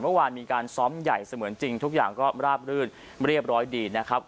เมื่อวานมีการซ้อมใหญ่เสมือนจริงทุกอย่างก็ราบรื่นเรียบร้อยดีนะครับ